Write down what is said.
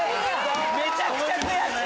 めちゃくちゃ悔しい！